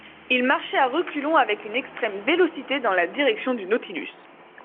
Il marchait à reculons avec une extrême vélocité dans la direction du Nautilus.